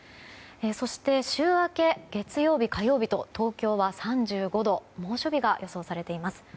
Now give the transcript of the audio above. そして週明け、月曜日、火曜日と東京は３５度猛暑日が予想されています。